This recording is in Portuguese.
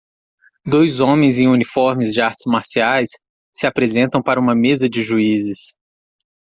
Dois homens em uniformes de artes marciais se apresentam para uma mesa de juízes